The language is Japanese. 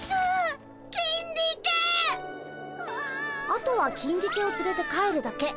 あとはキンディケをつれて帰るだけ。